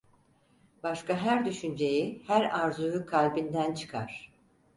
Başka her düşünceyi, her arzuyu kalbinden çıkar.